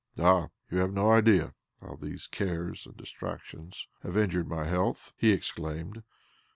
' 'Ah, you have no idea how these cares and distractions have injured m,y health 1 " he exclaimed.